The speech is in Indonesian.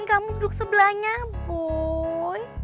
kamu duduk sebelahnya boy